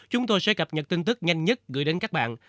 chúng tôi sẽ cập nhật tin tức nhanh nhất gửi đến các bạn